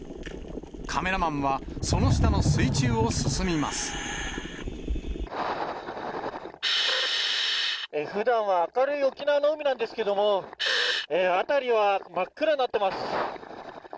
カメラマンは、ふだんは明るい沖縄の海なんですけれども、辺りは真っ暗になってます。